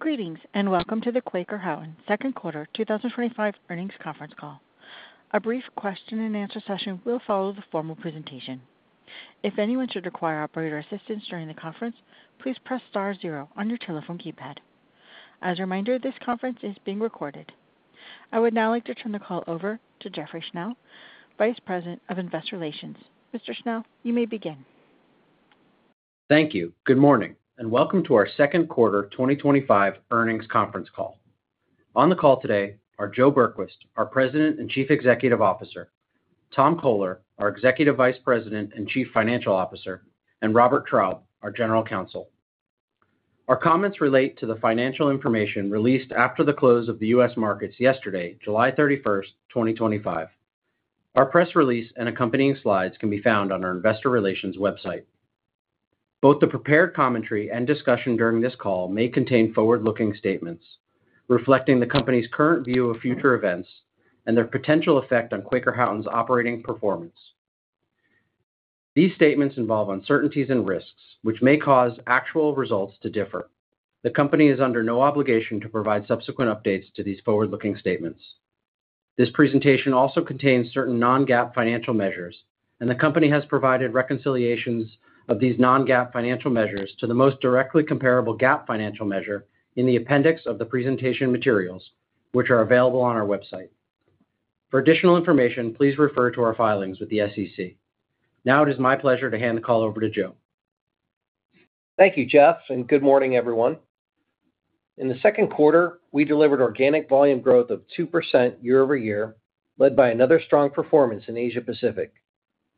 Greetings and welcome to the Quaker Houghton second quarter 2025 earnings conference call. A brief question and answer session will follow the formal presentation. If anyone should require operator assistance during the conference, please press star zero on your telephone keypad. As a reminder, this conference is being recorded. I would now like to turn the call over to Jeffrey Schnell, Vice President of Investor Relations. Mr. Schnell, you may begin. Thank you. Good morning and welcome to our second quarter 2025 earnings conference call. On the call today are Joseph Berquist, our President and Chief Executive Officer, Tom Koler, our Executive Vice President and Chief Financial Officer, and Robert Traub, our General Counsel. Our comments relate to the financial information released after the close of the U.S. markets yesterday, July 31, 2025. Our press release and accompanying slides can be found on our Investor Relations website. Both the prepared commentary and discussion during this call may contain forward-looking statements reflecting the Company's current view of future events and their potential effect on Quaker Houghton's operating performance. These statements involve uncertainties and risks which may cause actual results to differ. The Company is under no obligation to provide subsequent updates to these forward-looking statements. This presentation also contains certain non-GAAP financial measures, and the Company has provided reconciliations of these non-GAAP financial measures to the most directly comparable GAAP financial measure in the appendix of the presentation materials, which are available on our website. For additional information, please refer to our filings with the SEC. Now it is my pleasure to hand. The call over to Joe. Thank you, Jeff, and good morning, everyone. In the second quarter, we delivered organic volume growth of 2% year-over-year, led by another strong performance in Asia Pacific.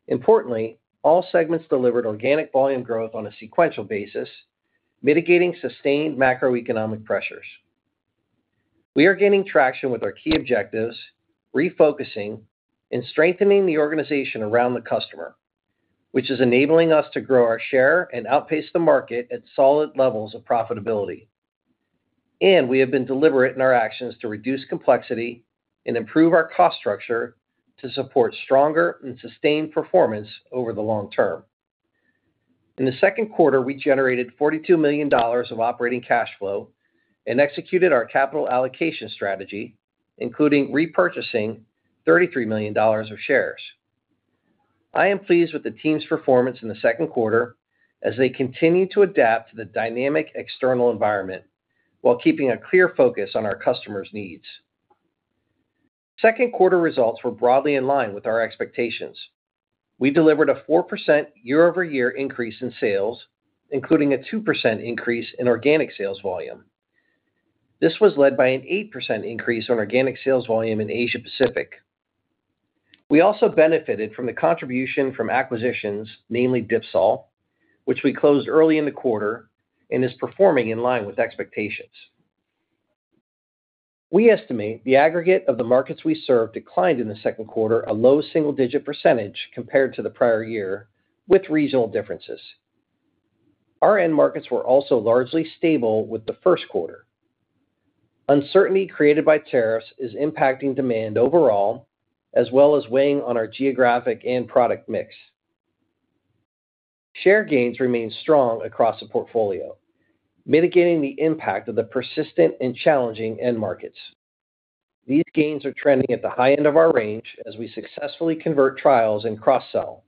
Importantly, all segments delivered organic volume growth on a sequential basis, mitigating sustained macroeconomic pressures. We are gaining traction with our key objectives, refocusing and strengthening the organization around the customer, which is enabling us to grow our share and outpace the market at solid levels of profitability. We have been deliberate in our actions to reduce complexity and improve our cost structure to support stronger and sustained performance over the long term. In the second quarter, we generated $42 million of operating cash flow and executed our capital allocation strategy, including repurchasing $33 million of shares. I am pleased with the team's performance in the second quarter as they continue to adapt to the dynamic external environment while keeping a clear focus on our customers' needs. Second quarter results were broadly in line with our expectations. We delivered a 4% year-over-year increase in sales, including a 2% increase in organic sales volume. This was led by an 8% increase in organic sales volume in Asia Pacific. We also benefited from the contribution from acquisitions, namely Dipsol, which we closed early in the quarter and is performing in line with expectations. We estimate the aggregate of the markets we serve declined in the second quarter, a low single-digit percentage compared to the prior year with regional differences. Our end markets were also largely stable with the first quarter. Uncertainty created by tariffs is impacting demand overall as well as weighing on our geographic and product mix. Share gains remain strong across the portfolio, mitigating the impact of the persistent and challenging end markets. These gains are trending at the high end of our range as we successfully convert trials and cross-sell.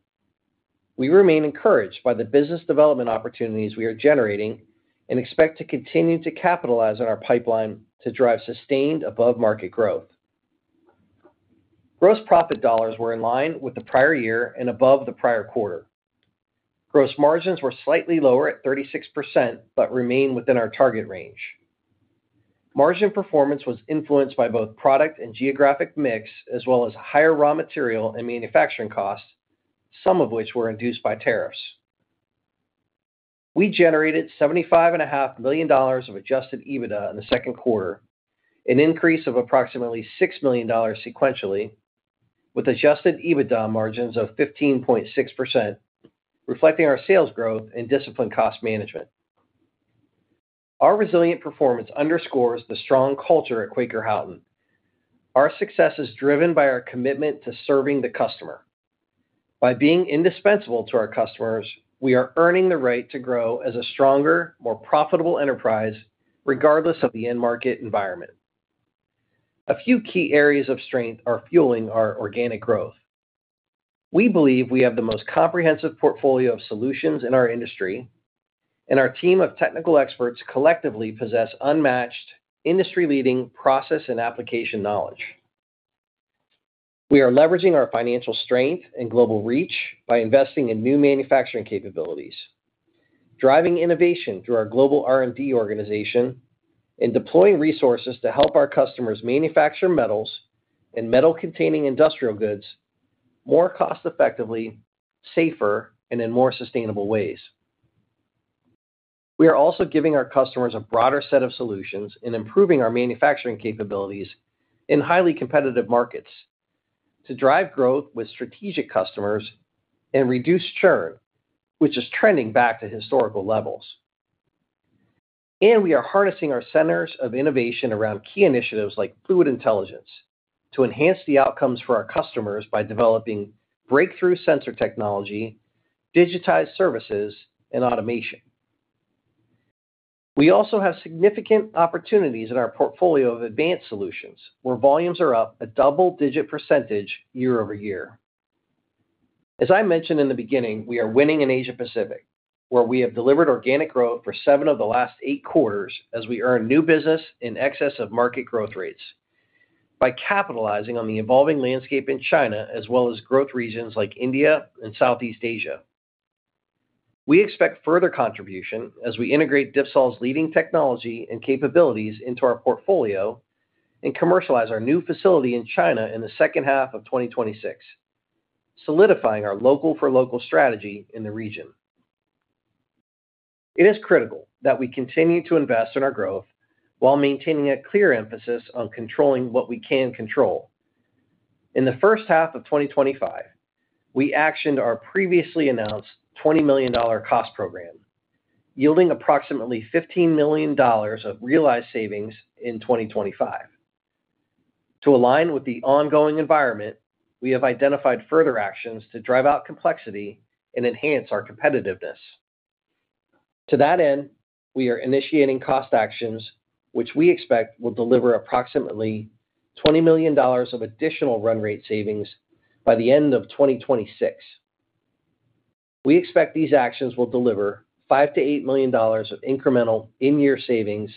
We remain encouraged by the business development opportunities we are generating and expect to continue to capitalize on our pipeline to drive sustained above-market growth. Gross profit dollars were in line with the prior year and above the prior quarter. Gross margins were slightly lower at 36% but remain within our target range. Margin performance was influenced by both product and geographic mix as well as higher raw material and manufacturing costs, some of which were induced by tariffs. We generated $75.5 million of adjusted EBITDA in the second quarter, an increase of approximately $6 million sequentially, with adjusted EBITDA margins of 15.6%, reflecting our sales growth and disciplined cost management. Our resilient performance underscores the strong culture at Quaker Houghton. Our success is driven by our commitment to serving the customer. By being indispensable to our customers, we are earning the right to grow as a stronger, more profitable enterprise, regardless of the end market environment. A few key areas of strength are fueling our organic growth. We believe we have the most comprehensive portfolio of solutions in our industry, and our team of technical experts collectively possess unmatched industry-leading process and application knowledge. We are leveraging our financial strength and global reach by investing in new manufacturing capabilities, driving innovation through our global R&D organization, and deploying resources to help our customers manufacture metals and metal-containing industrial goods more cost effectively, safer, and in more sustainable ways. We are also giving our customers a broader set of solutions and improving our manufacturing capabilities in highly competitive markets to drive growth with strategic customers and reduce churn, which is trending back to historical levels. We are harnessing our centers of innovation around key initiatives like FLUID INTELLIGENCE to enhance the outcomes for our customers by developing breakthrough sensor technology, digitized services, and automation. We also have significant opportunities in our portfolio of advanced solutions, where volumes are up a double-digit percentage year-over-year. As I mentioned in the beginning, we are winning in Asia Pacific, where we have delivered organic growth for seven of the last eight quarters as we earn new business in excess of market growth rates by capitalizing on the evolving landscape in China as well as growth regions like India and Southeast Asia. We expect further contribution as we integrate Dipsol's leading technology and capabilities into our portfolio and commercialize our new facility in China in the second half of 2026. Solidifying our local-for-local strategy in the region, it is critical that we continue to invest in our growth while maintaining a clear emphasis on controlling what we can control. In the first half of 2025, we actioned our previously announced $20 million cost program, yielding approximately $15 million of realized savings in 2025. To align with the ongoing environment, we have identified further actions to drive out complexity and enhance our competitiveness. To that end, we are initiating cost actions which we expect will deliver approximately $20 million of additional run-rate savings by the end of 2026. We expect these actions will deliver $5 to $8 million of incremental in-year savings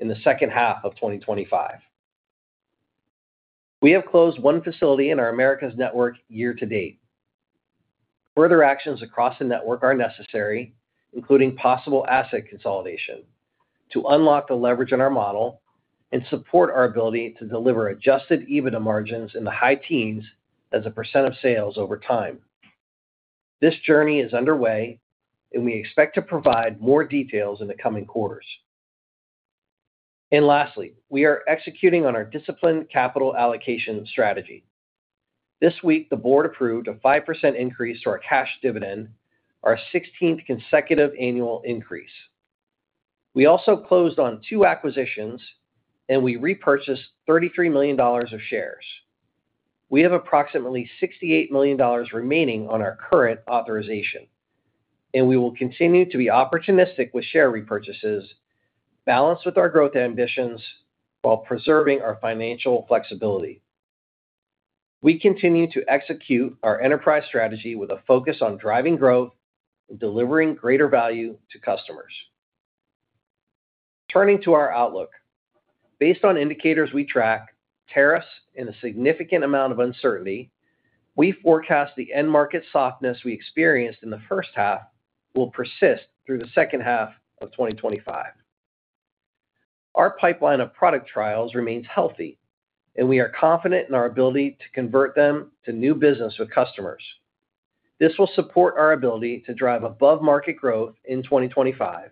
in the second half of 2025. We have closed one facility in our Americas network year-to-date. Further actions across the network are necessary, including possible asset consolidation to unlock the leverage in our model and support our ability to deliver adjusted EBITDA margins in the high teens as a percent of sales over time. This journey is underway, and we expect to provide more details in the coming quarters. Lastly, we are executing on our disciplined capital allocation strategy. This week, the board approved a 5% increase to our cash dividend, our 16th consecutive annual increase. We also closed on two acquisitions, and we repurchased $33 million of shares. We have approximately $68 million remaining on our current authorization, and we will continue to be opportunistic with share repurchases balanced with our growth ambitions while preserving our financial flexibility. We continue to execute our enterprise strategy with a focus on driving growth and delivering greater value to customers. Turning to our outlook, based on indicators we track, tariffs, and a significant amount of uncertainty, we forecast the end market softness we experienced in the first half will persist through the second half of 2025. Our pipeline of product trials remains healthy, and we are confident in our ability to convert them to new business with customers. This will support our ability to drive above-market growth in 2025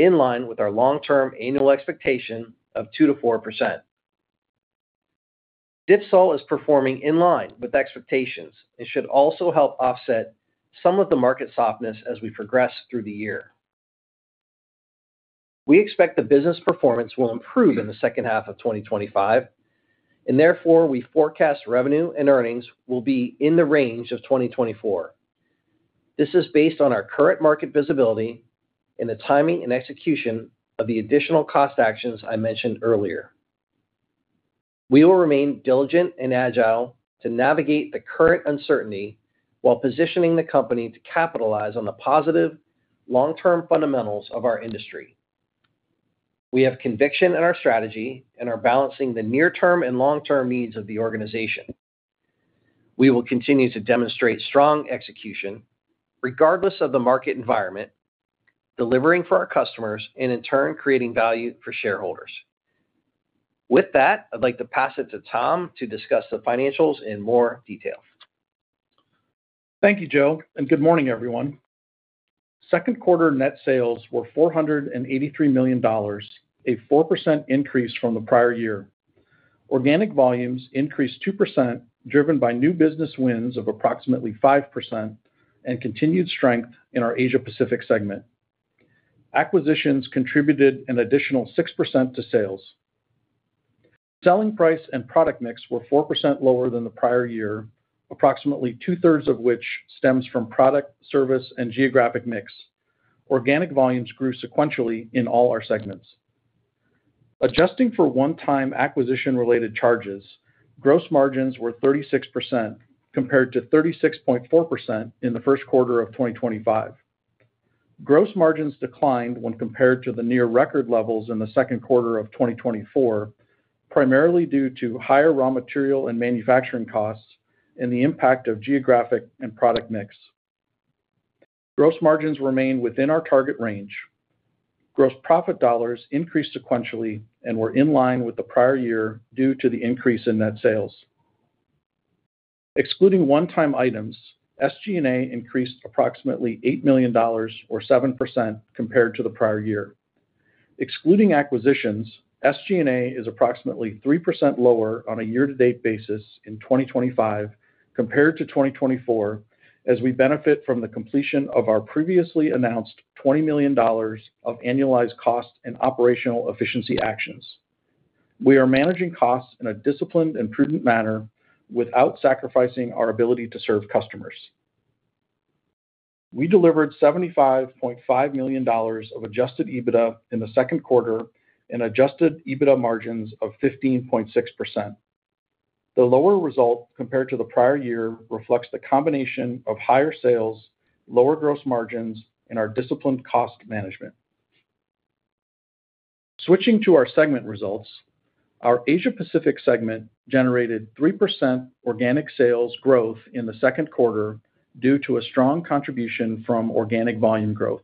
in line with our long-term annual expectation of 2% to 4%. Dipsol is performing in line with expectations and should also help offset some of the market softness as we progress through the year. We expect the business performance will improve in the second half of 2025, and therefore, we forecast revenue and earnings will be in the range of 2024. This is based on our current market visibility and the timing and execution of the additional cost actions I mentioned earlier. We will remain diligent and agile to navigate the current uncertainty while positioning the company to capitalize on the positive long term fundamentals of our industry. We have conviction in our strategy and are balancing the near term and long term needs of the organization. We will continue to demonstrate strong execution regardless of the market environment, delivering for our customers and in turn creating value for shareholders. With that, I'd like to pass it to Tom to discuss the financials in more detail. Thank you Joe and good morning everyone. Second quarter net sales were $483 million, a 4% increase from the prior year. Organic volumes increased 2% driven by new business wins of approximately 5% and continued strength in our Asia Pacific segment. Acquisitions contributed an additional 6% to sales. Selling price and product mix were 4% lower than the prior year, approximately 2/3 of which stems from product, service, and geographic mix. Organic volumes grew sequentially in all our segments, adjusting for one time acquisition related charges. Gross margins were 36% compared to 36.4% in the first quarter of 2025. Gross margins declined when compared to the near record levels in the second quarter of 2024, primarily due to higher raw material and manufacturing costs and the impact of geographic and product mix. Gross margins remain within our target range. Gross profit dollars increased sequentially and were in line with the prior year due to the increase in net sales. Excluding one time items, SG&A increased approximately $8 million or 7% compared to the prior year. Excluding acquisitions, SG&A is approximately 3% lower on a year-to-date basis in 2025 compared to 2024. As we benefit from the completion of our previously announced $20 million of annualized cost and operational efficiency actions, we are managing costs in a disciplined and prudent manner without sacrificing our ability to serve customers. We delivered $75.5 million of adjusted EBITDA in the second quarter and adjusted EBITDA margins of 15.6%. The lower result compared to the prior year reflects the combination of higher sales, lower gross margins, and our disciplined cost management. Switching to our segment results, our Asia Pacific segment generated 3% organic sales growth in the second quarter due to a strong contribution from organic volume growth.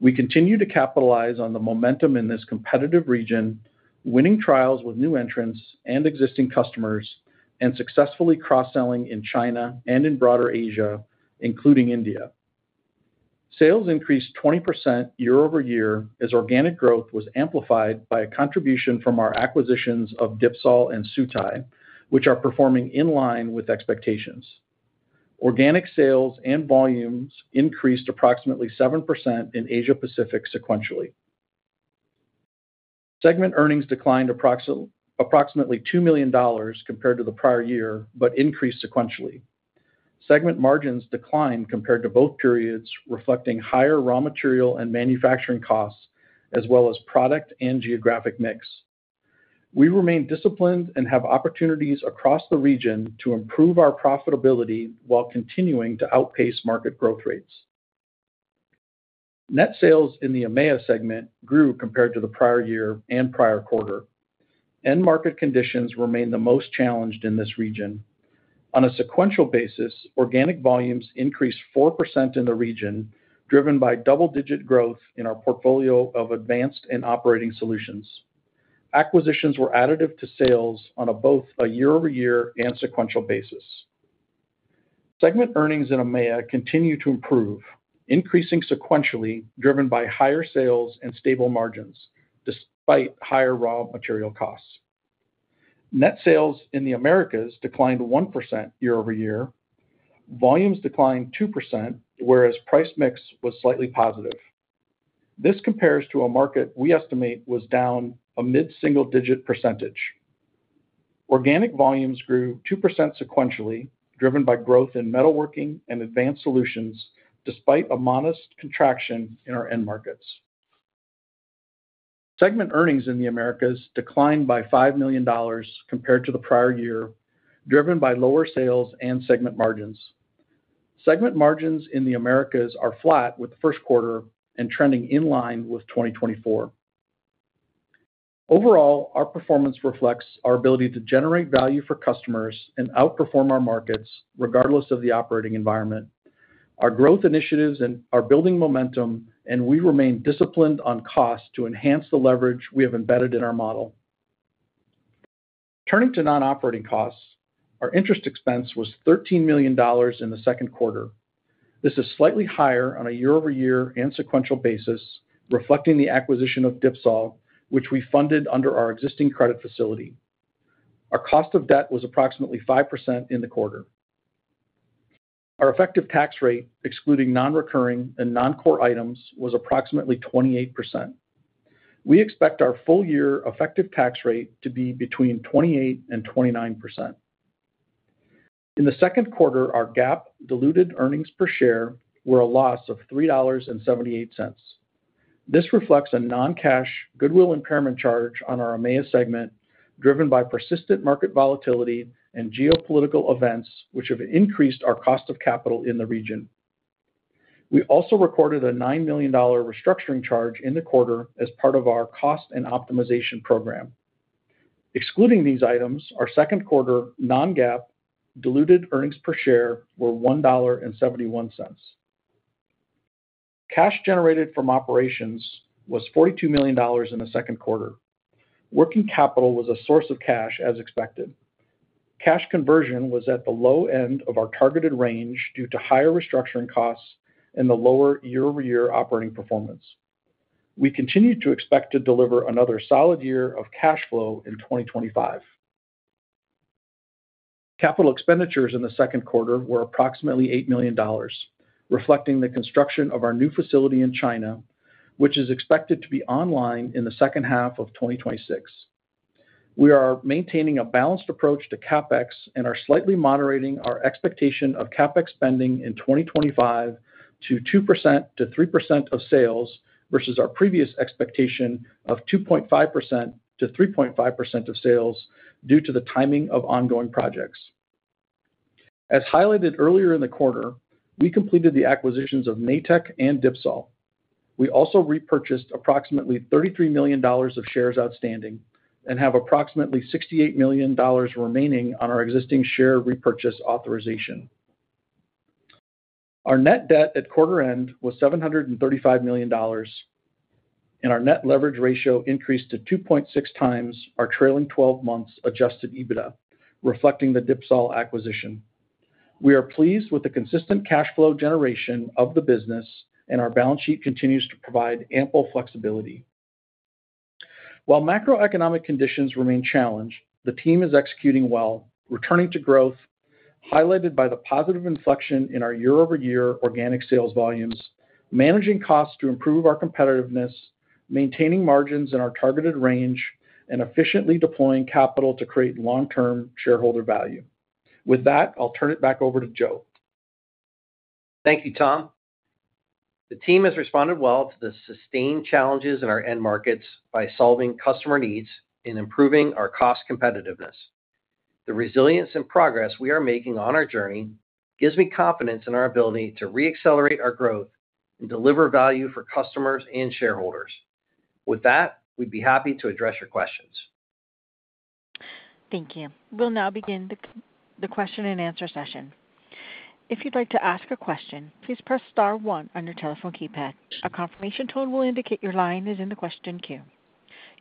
We continue to capitalize on the momentum in this competitive region, winning trials with new entrants and existing customers and successfully cross selling in China and in broader Asia including India. Sales increased 20% year-over-year as organic growth was amplified by a contribution from our acquisitions of Dipsol and Sutai, which are performing in line with expectations. Organic sales and volumes increased approximately 7% in Asia Pacific sequentially. Segment earnings declined approximately $2 million compared to the prior year but increased sequentially. Segment margins declined compared to both periods, reflecting higher raw material and manufacturing costs as well as product and geographic mix. We remain disciplined and have opportunities across the region to improve our profitability while continuing to outpace market growth rates. Net sales in the EMEA segment grew compared to the prior year and prior quarter. End market conditions remain the most challenged in this region. On a sequential basis, organic volumes increased 4% in the region, driven by double-digit growth in our portfolio of advanced and operating solutions. Acquisitions were additive to sales on both a year-over-year and sequential basis. Segment earnings in EMEA continue to improve, increasing sequentially, driven by higher sales and stable margins. Despite higher raw material costs, net sales in the Americas declined 1% year-over-year. Volumes declined 2%, whereas price mix was slightly positive. This compares to a market we estimate was down a mid-single-digit percentage. Organic volumes grew 2% sequentially, driven by growth in metalworking and advanced solutions. Despite a modest contraction in our end markets, segment earnings in the Americas declined by $5 million compared to the prior year, driven by lower sales and segment margins. Segment margins in the Americas are flat with the first quarter and trending in line with 2024. Overall, our performance reflects our ability to generate value for customers and outperform our markets regardless of the operating environment. Our growth initiatives are building momentum, and we remain disciplined on cost to enhance the leverage we have embedded in our model. Turning to non-operating costs, our interest expense was $13 million in the second quarter. This is slightly higher on a year-over-year and sequential basis, reflecting the acquisition of Dipsol, which we funded under our existing credit facility. Our cost of debt was approximately 5% in the quarter. Our effective tax rate, excluding non-recurring and non-core items, was approximately 28%. We expect our full-year effective tax rate to be between 28% and 29%. In the second quarter, our GAAP diluted earnings per share were a loss of $3.78. This reflects a non-cash goodwill impairment charge on our EMEA segment, driven by persistent market volatility and geopolitical events which have increased our cost of capital in the region. We also recorded a $9 million restructuring charge in the quarter as part of our cost and optimization program. Excluding these items, our second quarter non-GAAP diluted earnings per share were $1.71. Cash generated from operations was $42 million in the second quarter. Working capital was a source of cash. As expected, cash conversion was at the low end of our targeted range due to higher restructuring costs and the lower year-over-year operating performance. We continue to expect to deliver another solid year of cash flow in 2025. Capital expenditures in the second quarter were approximately $8 million, reflecting the construction of our new facility in China, which is expected to be online in the second half of 2026. We are maintaining a balanced approach to CapEx and are slightly moderating our expectation of CapEx spending in 2025 to 2% to 3% of sales versus our previous expectation of 2.5% to 3.5% of sales due to the timing of ongoing projects. As highlighted earlier in the quarter, we completed the acquisitions of Natech and Dipsol. We also repurchased approximately $33 million of shares outstanding and have approximately $68 million remaining on our existing share repurchase authorization. Our net debt-at-quarter end was $735 million and our net leverage ratio increased to 2.6 times our trailing twelve months adjusted EBITDA, reflecting the Dipsol acquisition. We are pleased with the consistent cash flow generation of the business and our balance sheet continues to provide ample flexibility. While macroeconomic conditions remain challenged, the team is executing well, returning to growth highlighted by the positive inflection in our year-over-year organic sales volumes, managing costs to improve our competitiveness, maintaining margins in our targeted range, and efficiently deploying capital to create long-term shareholder value. With that, I'll turn it back over to Joe. Thank you, Tom. The team has responded well to the sustained challenges in our end markets by solving customer needs and improving our cost competitiveness. The resilience and progress we are making on our journey gives me confidence in our ability to reaccelerate our growth and deliver value for customers and shareholders. With that, we'd be happy to address your questions. Thank you. We'll now begin the question and answer session. If you'd like to ask a question, please press star one on your telephone keypad. A confirmation tone will indicate your line is in the question queue.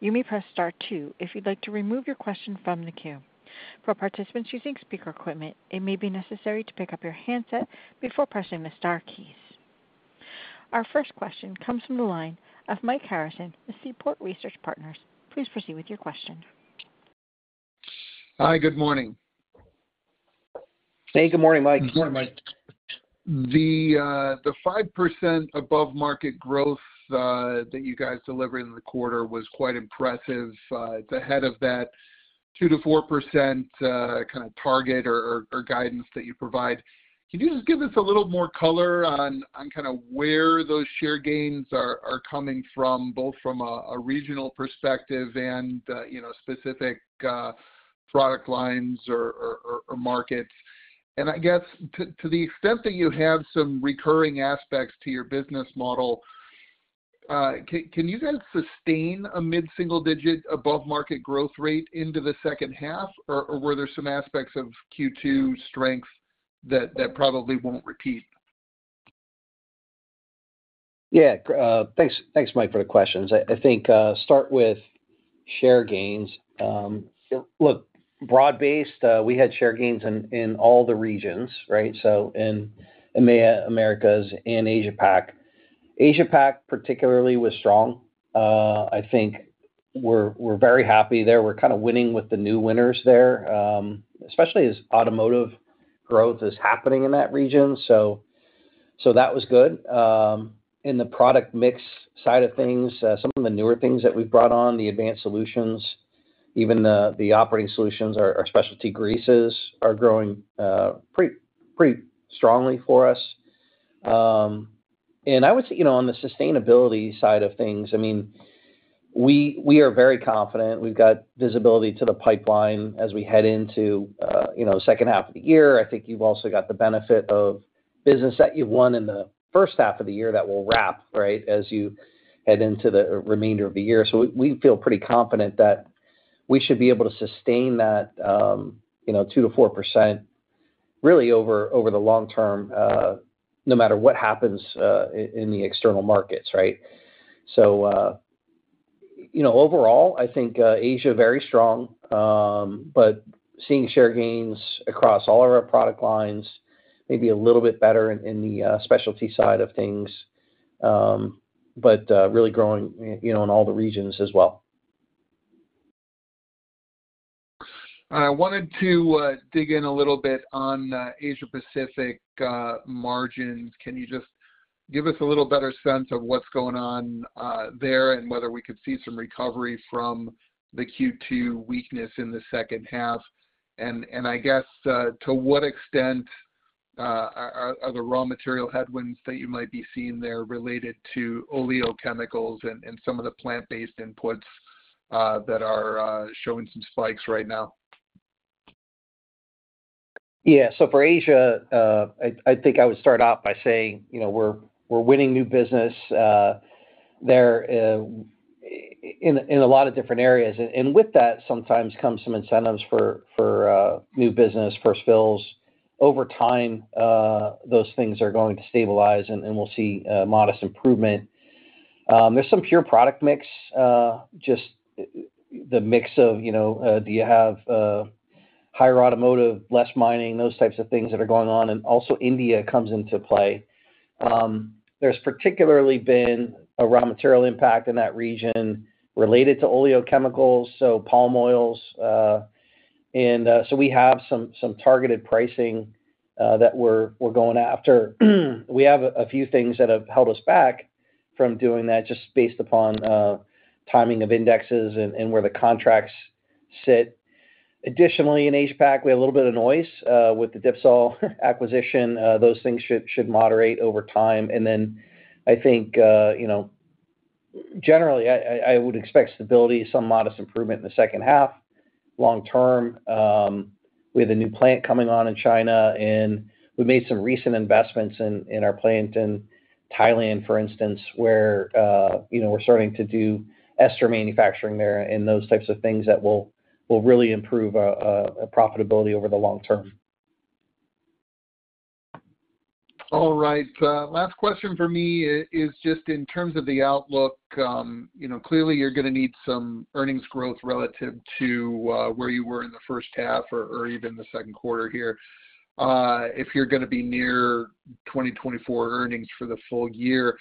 You may press star two if you'd like to remove your question from the queue. For participants using speaker equipment, it may be necessary to pick up your handset before pressing the star keys. Our first question comes from the line of Mike Harrison with Seaport Research Partners. Please proceed with your question. Hi, good morning. Hey, good morning, Mike. The 5% above market growth that you guys delivered in the quarter was quite impressive. It's ahead of that 2 to 4% kind of target or guidance that you provide. Can you just give us a little more color on where those share gains are coming from, both from a regional perspective and specific product lines or markets? To the extent that you have some recurring aspects to your business model, can you guys sustain a mid-single-digit above market growth rate into the second half or were there some aspects of Q2 strength that probably won't repeat? Yeah, thanks Mike, for the questions. I think start with share gains. Look, broad based. We had share gains in all the regions. Right. So in EMEA, Americas, and Asia PAC. Asia PAC particularly was strong. I think we're very happy there. We're kind of winning with the new winners there, especially as automotive growth is happening in that region. That was good. In the product mix side of things, some of the newer things that we've brought on, the advanced solutions, even the operating solutions, our specialty greases are growing pretty strongly for us. I would say on the sustainability side of things, we are very confident we've got the visibility to the pipeline as we head into the second half of the year. I think you've also got the benefit of business that you won in the first half of the year that will wrap as you head into the remainder of the year. We feel pretty confident that we should be able to sustain that 2 to 4% really over the long term, no matter what happens in the external markets. Overall, I think Asia very strong, but seeing share gains across all of our product lines, maybe a little bit better in the specialty side of things, but really growing in all the regions as well. I wanted to dig in a little bit on Asia Pacific margins. Can you just give us a little better sense of what's going on there and whether we could see some recovery from the Q2 weakness in the second half? I guess to what extent are the raw material headwinds that you might be seeing there related to oleochemicals and some of the plant-based inputs that are showing some spikes right now? Yeah. For Asia, I think I would start out by saying we're winning new business there in a lot of different areas. With that sometimes comes some incentives for new business. First bills, over time those things are going to stabilize and we'll see modest improvement. There's some pure product mix, just the mix of do you have higher automotive, less mining, those types of things that are going on. Also, India comes into play. There's particularly been a raw material impact in that region related to oleochemicals. Palm oils, we have some targeted pricing that we're going after. We have a few things that have held us back from doing that just based upon timing of indexes and where the contracts sit. Additionally, in HPAC, we have a little bit of noise with the Dipsol acquisition. Those things should moderate over time. I think generally I would expect stability, some modest improvement in the second half long term with a new plant coming on in China. We made some recent investments in our plant in Thailand, for instance, where we're starting to do Ester manufacturing there and those types of things that will really improve. Profitability over the long term. All right, last question for me is just in terms of the outlook. Clearly you're going to need some earnings growth relative to where you were in the first half or even the second quarter here if you're going to be near 2024 earnings for the full year.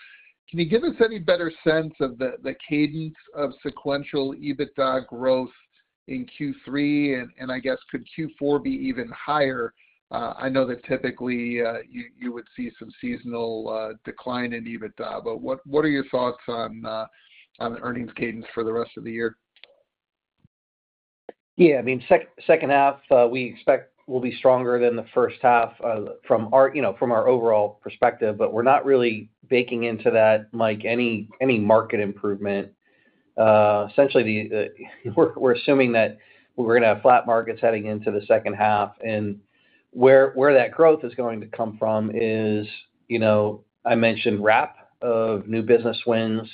Can you give us any better sense of the cadence of sequential EBITDA growth in Q3, and I guess could Q4 be even higher? I know that typically you would see some seasonal decline in EBITDA, but what are your thoughts on the earnings cadence for the rest of the year? Yeah, I mean, second half we expect will be stronger than the first half from our, you know, from our overall perspective. We're not really baking into that like any market improvement. Essentially we're assuming that we're going to have flat markets heading into the second half and where that growth is going to come from is, you know, I mentioned wrap of new business wins,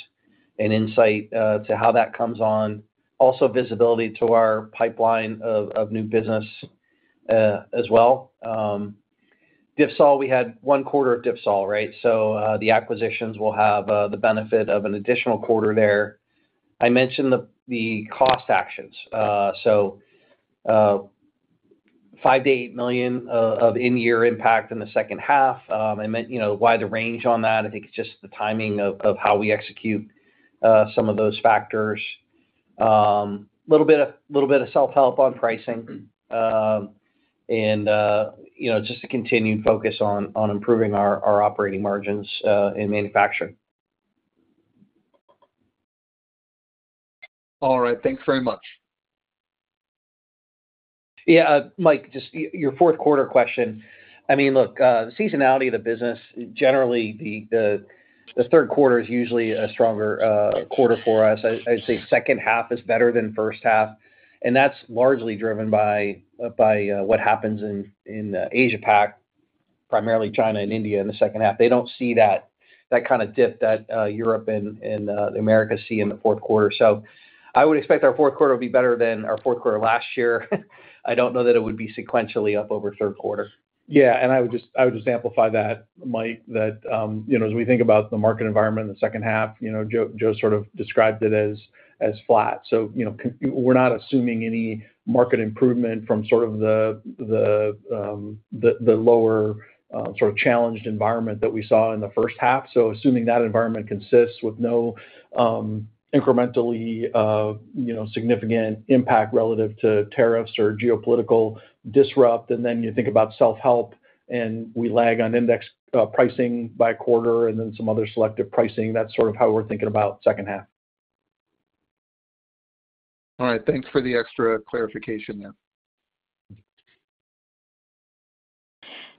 insight to how that comes on. Also visibility to our pipeline of new business as well. Dipsol, we had one quarter of Dipsol. Right. The acquisitions will have the benefit of an additional quarter there. I mentioned the cost actions. $5 to $8 million of in-year impact in the second half. Why the range on that? I think it's just the timing of how we execute some of those factors, a little bit of self help on pricing and, you know, just a continued focus on improving our operating margins in manufacturing. All right, thanks very much. Yeah. Mike, just your fourth quarter question. The seasonality of the business generally, the third quarter is usually a stronger quarter for us. I'd say second half is better than first half, and that's largely driven by what happens in Asia PAC, primarily China and India in the second half. They don't see that kind of dip that Europe and the Americas see in the fourth quarter. I would expect our fourth quarter will be better than our fourth quarter last year. I don't know that it would be sequentially up over third quarter. Yeah. I would just amplify that, Mike, that as we think about the market environment in the second half, Joe sort of described it as flat. We're not assuming any market improvement from the lower sort of challenged environment that we saw in the first half. Assuming that environment consists with no incrementally significant impact relative to tariffs or geopolitical disrupt, and then you think about self help and we lag on index pricing by a quarter and then some other selective pricing, that's sort of how we're thinking about second half. All right, thanks for the extra clarification there.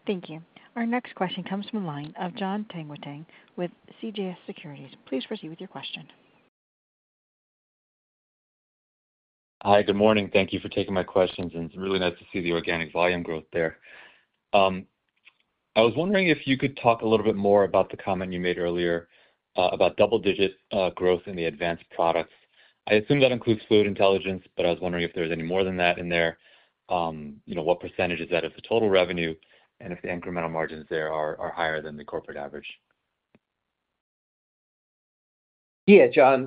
Thank you. Our next question comes from the line of Jon Tanwanteng with CJS Securities. Please proceed with your question. Hi, good morning. Thank you for taking my questions. It is really nice to see the. Organic volume growth there. I was wondering if you could talk a little bit more about the comment you made earlier about double-digit growth in the advanced products? I assume that includes FLUID INTELLIGENCE, but I was wondering if there's any more. Than that in there. What percentage is that of the total revenue, and if the incremental margins there are higher than the corporate average? Yeah. Jon,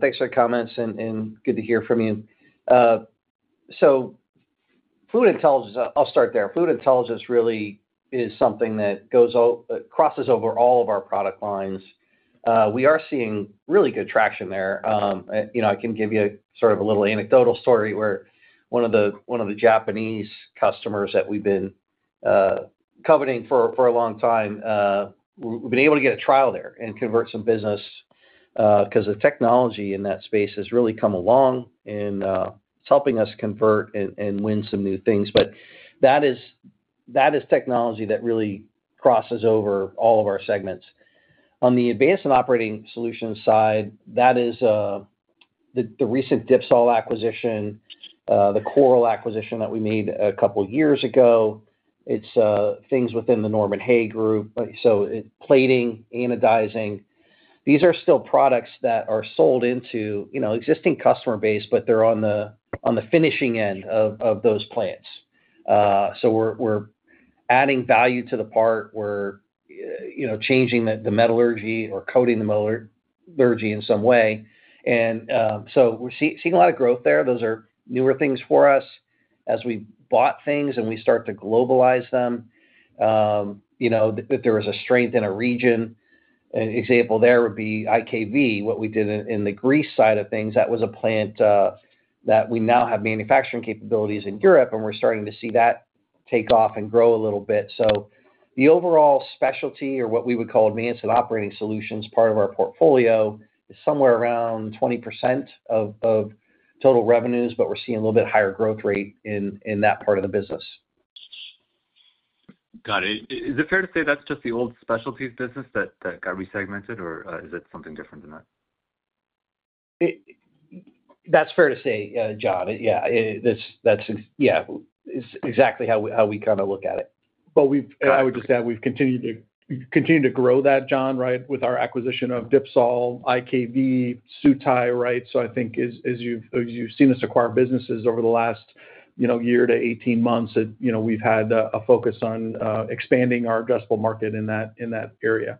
thanks for the comments and good to hear from you. FLUID INTELLIGENCE, I'll start there. FLUID INTELLIGENCE really is something that crosses over all of our product lines. We are seeing really good traction there. I can give you sort of a little anecdotal story where one of the Japanese customers that we've been coveting for a long time, we've been able to get a trial there and convert some business because the technology in that space has really come along and it's helping us convert and win some new things. That is technology that really crosses over all of our segments. On the advanced and operating solutions side, that is the recent Dipsol acquisition, the Coral acquisition that we made a couple years ago. It's things within the Norman Hay Group. Plating, anodizing, these are still products that are sold into existing customer base, but they're on the finishing end of those plants. We're adding value to the part. We're changing the metallurgy or coating the metallurgy in some way. We're seeing a lot of growth there. Those are newer things for us as we bought things and we start to globalize them. You know that there was a strength in a region. An example there would be IKV, what we did in the Greece side of things. That was a plant that we now have manufacturing capabilities in Europe and we're starting to see that take off and grow a little bit. The overall specialty, or what we would call advanced and operating solutions, part of our portfolio is somewhere around 20% of total revenues. We're seeing a little bit higher growth rate in that part of the business. Got it. Is it fair to say that's just the old specialties business that got resegmented, or is it something different than that? That's fair to say, Jon. Yeah, that's exactly how we kind of look at it. I would just add we've continued to grow that, Jon, with our acquisition of Dipsol, Sutai. I think as you've seen us acquire businesses over the last year to 18 months, we've had a focus on expanding our addressable market in that area.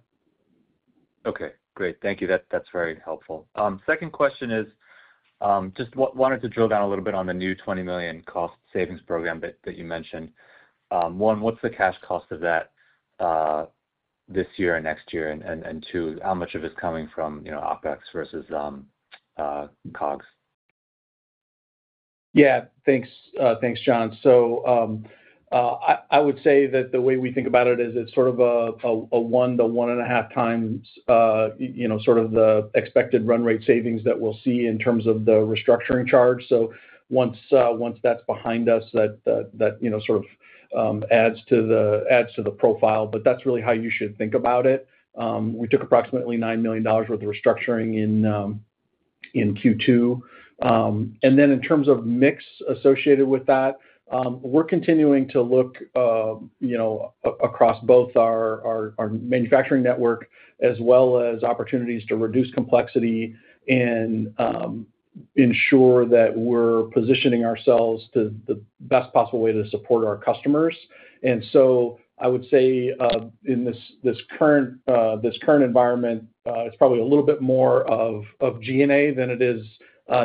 Okay, great. Thank you, that's very helpful. Second question is just wanted to drill down a little bit on the new $20 million cost program that you mentioned. One, what's the cash cost of that this year and next year? And two, how much of it's coming from OpEx versus COGS? Yeah, thanks, Jon. I would say that the way we think about it is it's sort of a one to one and a half times sort of the expected run-rate savings that we'll see in terms of the restructuring charge. Once that's behind us, that sort of adds to the profile. That's really how you should think about it. We took approximately $9 million worth of restructuring in Q2, and then in terms of mix associated with that, we're continuing to look across both our manufacturing network as well as opportunities to reduce complexity and ensure that we're positioning ourselves in the best possible way to support our customers. I would say in this current environment, it's probably a little bit more of G&A than it is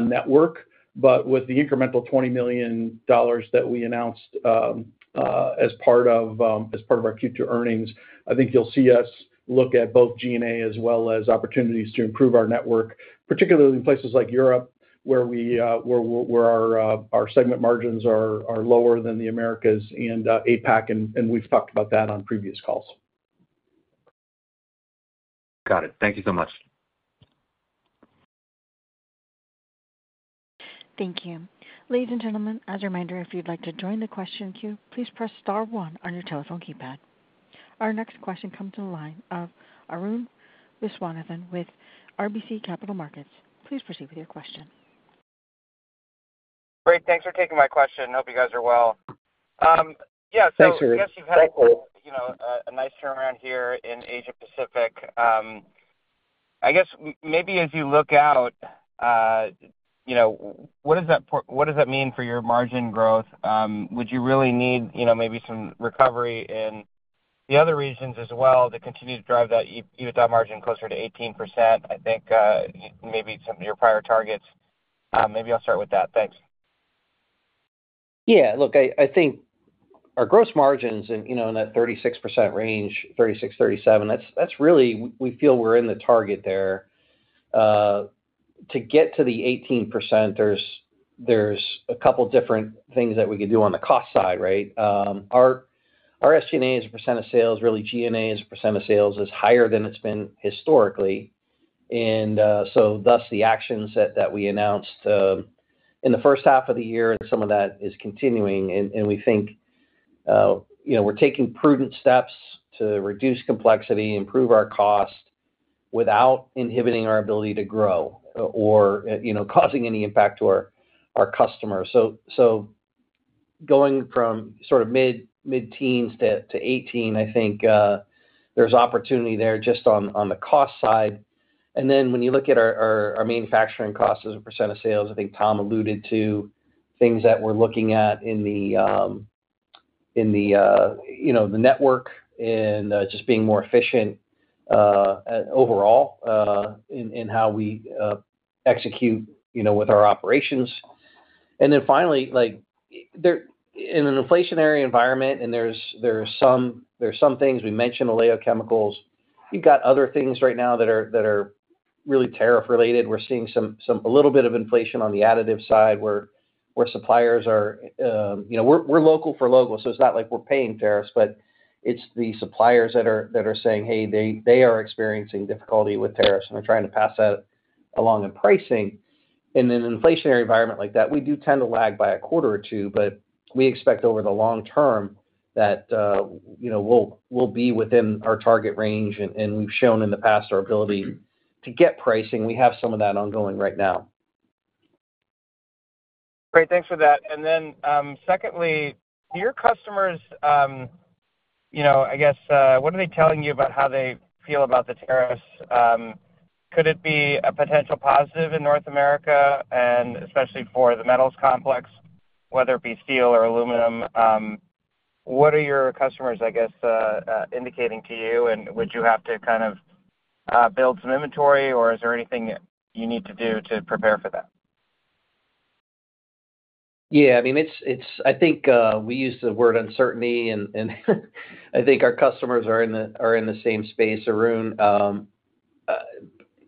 network. With the incremental $20 million that we announced as part of our Q2 earnings, I think you'll see us look at both G&A as well as opportunities to improve our network, particularly in places like Europe where our segment margins are lower than the Americas and APAC and we've talked about that on previous calls. Got it. Thank you so much. Thank you. Ladies and gentlemen, as a reminder, if you'd like to join the question queue, please press star one on your telephone keypad. Our next question comes in line of Arun Viswanathan with RBC Capital Markets, please proceed with your question. Great. Thanks for taking my question. Hope you guys are well. Thanks. Arun. I guess you've had a nice turnaround here in Asia Pacific. As you look out, what does that mean for your margin growth? Would you really need maybe some recovery in the other regions as well to continue to drive that adjusted EBITDA margin closer to 18%? I think maybe some of your prior targets. Maybe I'll start with that. Thanks. Yeah, look, I think our gross margins in that 36% range, 36, 37%, that's really. We feel we're in the target there to get to the 18%. There's a couple different things that we could do on the cost side. Right. Our SG&A as a percent of sales, really G&A as a percent of sales is higher than it's been historically. Thus, the actions that we announced in the first half of the year and some of that is continuing. We think we're taking prudent steps to reduce complexity, improve our cost without inhibiting our ability to grow or causing any impact to our customers. Going from sort of mid-teens to 18%, I think there's opportunity there just on the cost side. When you look at our manufacturing costs as a percent of sales, I think Tom alluded to things that we're looking at in the network and just being more efficient overall in how we execute with our operations. Finally, in an inflationary environment, and there are some things we mentioned, oleochemicals, you've got other things right now that are really tariff related. We're seeing a little bit of inflation on the additive side where suppliers are, we're local for local. It's not like we're paying tariffs, but it's the suppliers that are saying, hey, they are experiencing difficulty with tariffs and they're trying to pass that along in pricing. In an inflationary environment like that, we do tend to lag by a quarter or two, but we expect over the long term that we'll be within our target range. We've shown in the past our ability to get pricing. We have some of that ongoing right now. Great, thanks for that. Secondly, do your customers. I. What are they telling you about how they feel about the tariffs? Could it be a potential positive in North America and especially for the metals complex, whether it be steel or aluminum? What are your customers indicating to you and would you have to kind of build some inventory or is there anything you need to do to prepare for that? Yeah, I mean, I think we use the word uncertainty and I think our customers are in the same space. Arun,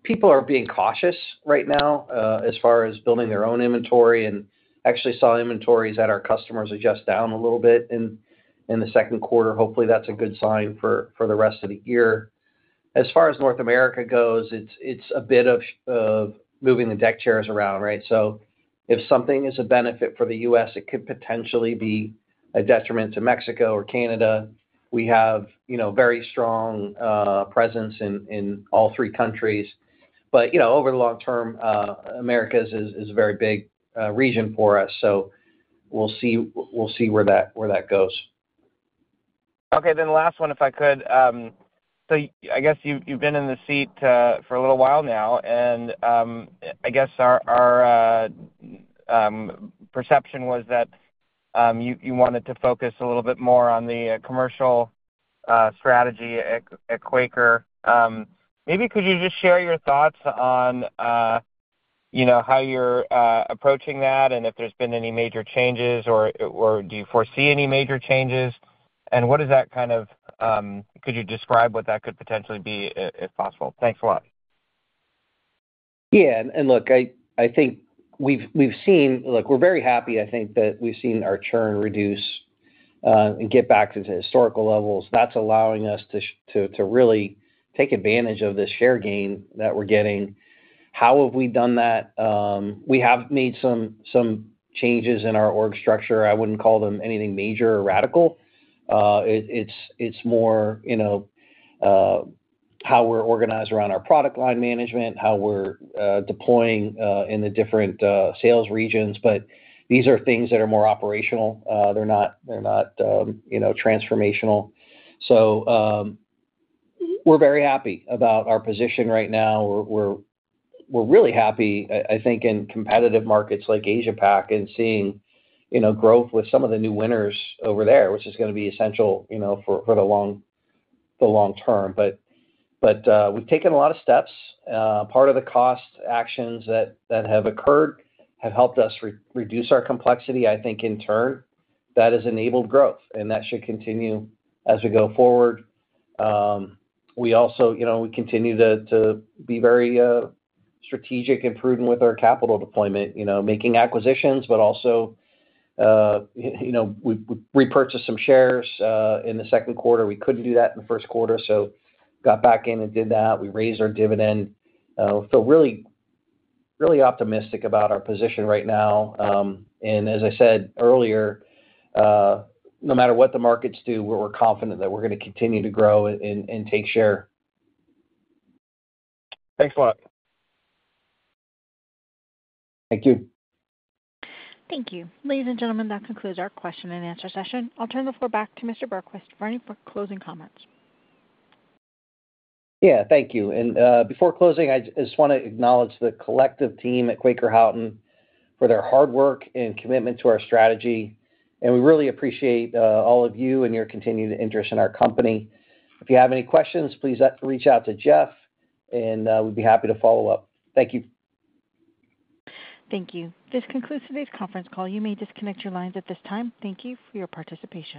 people are being cautious right now as far as building their own inventory and actually saw inventories at our customers adjust down a little bit in the second quarter. Hopefully that's a good sign for the rest of the year. As far as North America goes, it's a bit of moving the deck chairs around. If something is a benefit for the U.S. it could potentially be a detriment to Mexico or Canada. We have very strong presence in all three countries, but over the long term, Americas is a very big region for us. We'll see where that goes. Okay then, last one, if I could. I guess you've been in the seat for a little while now and I. Guess our. Perception was that you wanted to focus a little bit more on the commercial strategy at Quaker Houghton. Maybe could you just share your thoughts on how you're approaching that and if there's been any major changes or do you foresee any major changes, and what does that kind of. Could you describe what that could potentially be, if possible? Thanks a lot. Yeah. Look, we're very happy. I think that we've seen our churn reduce and get back to historical levels. That's allowing us to really take advantage of this share gain that we're getting. How have we done that? We have made some changes in our org structure. I wouldn't call them anything major or radical. It's more how we're organized around our product line management, how we're deploying in the different sales regions. These are things that are more operational. They're not transformational. We're very happy about our position right now. We're really happy, I think in competitive markets like Asia PAC and seeing growth with some of the new winners over there, which is going to be essential for the long term. We've taken a lot of steps. Part of the cost actions that have occurred have helped us reduce our complexity. I think in turn that has enabled growth and that should continue as we go forward. We also continue to be very strategic and prudent with our capital deployment, making acquisitions. We repurchased some shares in the second quarter. We couldn't do that in the first quarter, so got back in and did that. We raised our dividend, feel really, really optimistic about our position right now. As I said earlier, no matter what the markets do, we're confident that we're going to continue to grow and take share. Thanks a lot. Thank you. Thank you. Ladies and gentlemen, that concludes our question and answer session. I'll turn the floor back to Mr. Berquist for any closing comments. Thank you. Before closing, I just want to acknowledge the collective team at Quaker Houghton for their hard work and commitment to our strategy. We really appreciate all of you and your continued interest in our company. If you have any questions, please reach out to Jeff, and we'd be happy to follow up. Thank you. Thank you. This concludes today's conference call. You may disconnect your lines at this time. Thank you for your participation.